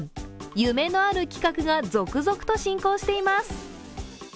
夢のある企画が続々と進行しています。